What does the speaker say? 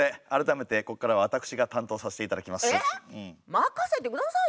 任せて下さいよ。